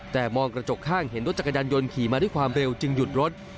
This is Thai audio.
แต่มองกระจกข้างเห็นรถจักรยานยนต์ขี่มาด้วยความเร็วจึงหยุดรถ